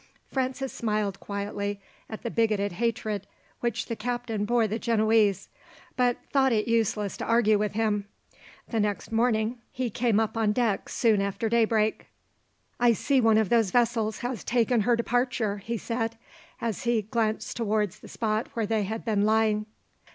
Francis smiled quietly at the bigoted hatred which the captain bore the Genoese, but thought it useless to argue with him. The next morning he came up on deck soon after daybreak. "I see one of those vessels has taken her departure," he said, as he glanced towards the spot where they had been lying.